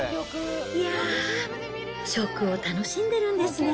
いやー、食を楽しんでるんですね。